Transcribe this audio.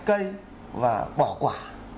cây và bỏ quả